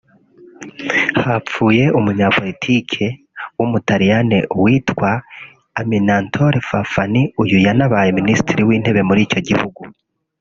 Hapfuye Umunapolitiki w’Umutariyani uwitwa Amintore Fanfani uyu yanabaye Minisitiri w’Intebe muri icyo gihugu